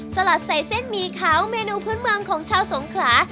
สลัดใส่เส้นหมี่ขาวเมนูพื้นเมืองของชาวสงขลา